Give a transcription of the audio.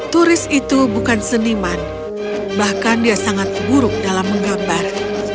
turis itu bukan seniman bahkan dia sangat buruk dalam menggambar